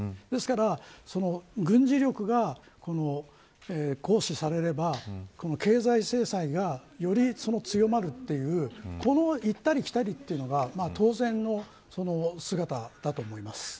ですから軍事力が行使されれば経済制裁が、より強まるという、この行ったり来たりというのが当然の姿だと思います。